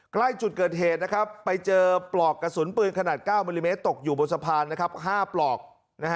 ใกล้จุดเกิดเหตุนะครับไปเจอปลอกกระสุนปืนขนาด๙มิลลิเมตรตกอยู่บนสะพาน๕ปลอก